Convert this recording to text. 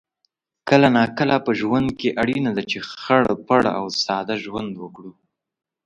کله ناکله په ژوند کې اړینه ده چې خړ پړ او ساده ژوند وکړو